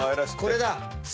これだ！